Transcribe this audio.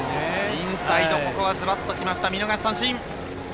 インサイド、ここはずばっときました、見逃し三振。